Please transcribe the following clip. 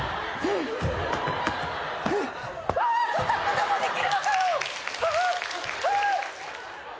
そんなこともできるのかよ。